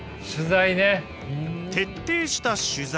徹底した取材。